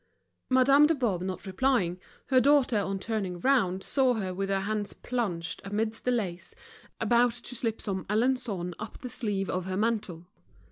Madame de Boves not replying, her daughter on turning round saw her with her hands plunged amidst the lace, about to slip some Alençon up the sleeve of her mantle.